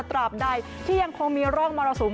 ตราบใดที่ยังคงมีร่องมรสุม